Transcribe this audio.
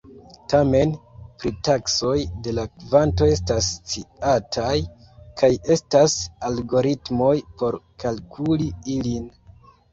Tamen, pritaksoj de la kvanto estas sciataj, kaj estas algoritmoj por kalkuli ilin.